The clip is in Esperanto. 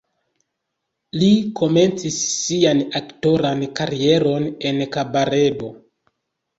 Li komencis sian aktoran karieron en kabaredo.